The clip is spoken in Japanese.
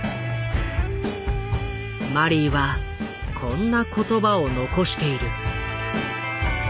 マリーはこんな言葉を残している。